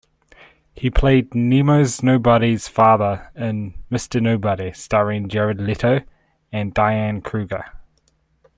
He played Nemo Nobody's father in "Mr. Nobody", starring Jared Leto and Diane Kruger.